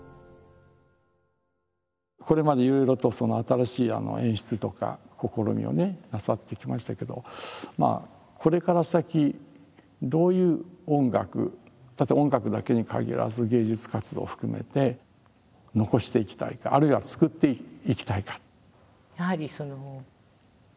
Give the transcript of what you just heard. これまでいろいろと新しい演出とか試みをねなさってきましたけどこれから先どういう音楽音楽だけに限らず芸術活動を含めて残していきたいかあるいは作っていきたいか。